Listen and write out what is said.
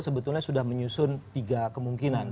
sebetulnya sudah menyusun tiga kemungkinan